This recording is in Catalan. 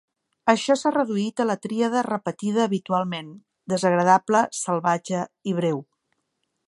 Això s'ha reduït a la tríada repetida habitualment "desagradable, salvatge i breu".